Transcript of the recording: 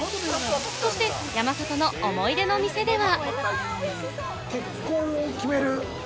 そして山里の思い出の店では。